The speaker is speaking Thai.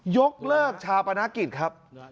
ยกเลิกชาปนกิจครับ